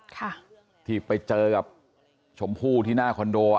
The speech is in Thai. ค่ะที่ไปเจอกับชมพู่ที่หน้าคอนโดอ่ะ